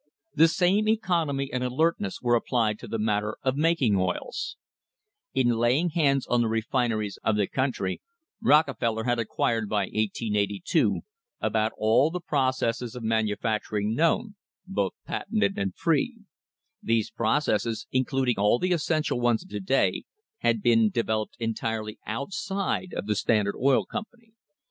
The same economy and alertness were applied to the matter of making oils. In laying hands on the refineries of the coun THE HISTORY OF THE STANDARD OIL COMPANY try, Rockefeller had acquired by 1882 about all the pro cesses of manufacturing known, both patented and free. These processes, including all the essential ones of to day, had been developed entirely outside of the Standard Oil Company.